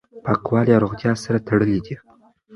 پاکوالی او روغتیا سره تړلي دي.